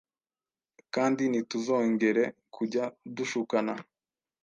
kandi ntituzongere kujya dushukana”